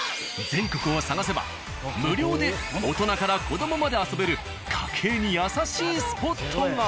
全国を探せば無料で大人から子どもまで遊べる家計に優しいスポットが！